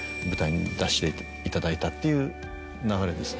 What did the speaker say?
っていう流れです。